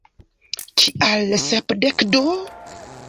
Kial Sepdek du?